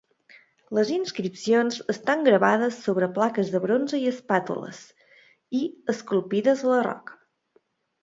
Les inscripcions estan gravades sobre plaques de bronze i espàtules, i esculpides a la roca.